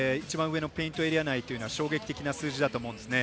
ペイントエリア内というのは衝撃的な数字だと思うんですね。